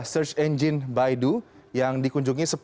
search engine baidu yang dikunjungi